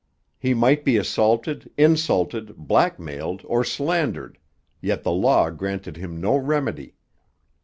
He might be assaulted, insulted, blackmailed, or slandered, yet the law granted him no remedy.